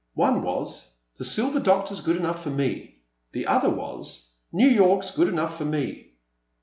One was, The Silver Doctor *s good enough for me ;*' the other was, New York *s good enough for me.'